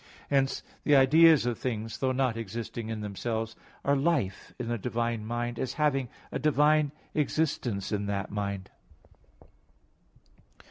Hence the ideas of things, though not existing in themselves, are life in the divine mind, as having a divine existence in that mind.